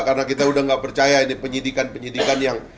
karena kita udah nggak percaya ini penyidikan penyidikan yang